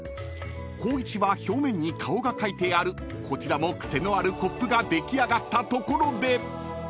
［光一は表面に顔が描いてあるこちらも癖のあるコップが出来上がったところで］